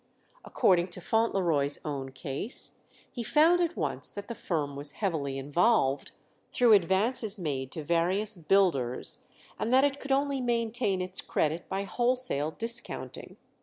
According to Fauntleroy's own case, he found at once that the firm was heavily involved, through advances made to various builders, and that it could only maintain its credit by wholesale discounting.